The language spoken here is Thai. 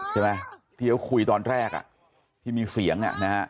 ใช่ไหมที่เอาคุยตอนแรกที่มีเสียง